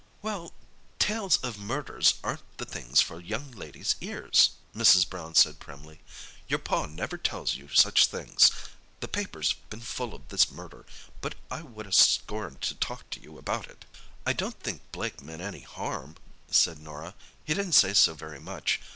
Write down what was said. "Well, tales of murders aren't the things for young ladies' ears," Mrs. Brown said primly. "Your Pa never tells you such things. The paper's been full of this murder, but I would 'a' scorned to talk to you about it." "I don't think Blake meant any harm," said Norah. "He didn't say so very much.